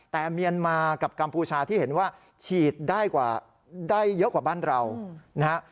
แต่เมียนมากับกัมพูชาที่เห็นว่าฉีดได้เยอะกว่าบ้านเรานะฮะ